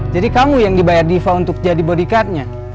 jadi kamu yang dibayar diva untuk jadi body card nya